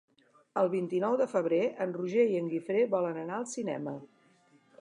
El vint-i-nou de febrer en Roger i en Guifré volen anar al cinema.